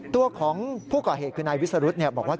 ตัวของผู้ก่อเหตุคือนายวิสรุธบอกว่า